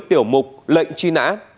tiểu mục lệnh truyền thông